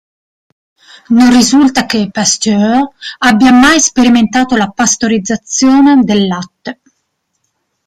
Non risulta che Pasteur abbia mai sperimentato la pastorizzazione del latte.